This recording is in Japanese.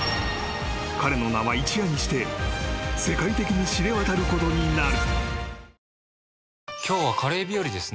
［彼の名は一夜にして世界的に知れ渡ることになる］